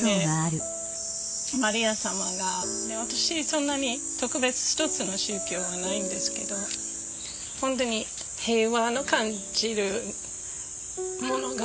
マリア様が私そんなに特別一つの宗教はないんですけど本当に平和の感じるものがあるんですよね。